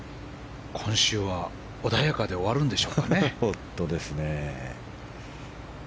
今週は穏やかで終わるんでしょうかね。